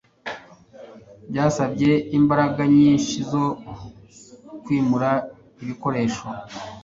Byasabye imbaraga nyinshi zo kwimura ibikoresho.